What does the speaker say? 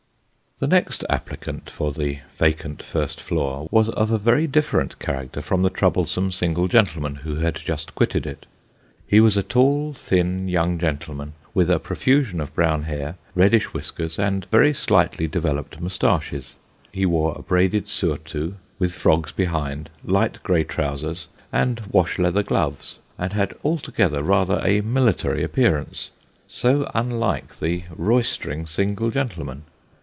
The next applicant for the vacant first floor, was of a very different character from the troublesome single gentleman who had just quitted it. He was a tall, thin, young gentleman, with a profusion of brown hair, reddish whiskers, and very slightly developed mustaches. He wore a braided surtout, with frogs behind, light grey trousers, and wash leather gloves, and had altogether rather a military appearance. So unlike the roystering single gentleman.